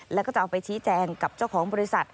แล้วก็จะเอาไปชี้แจงกับเจ้าของบริษัท